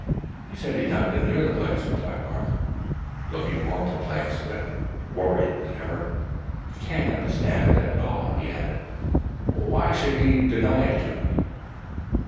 "He said he'd not been near the place," replied Mark, looking more perplexed and worried than ever. "I can't understand it at all," he added. "Why should he deny it to me?"